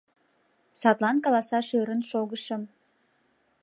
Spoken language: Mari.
Садлан каласаш ӧрын шогышым.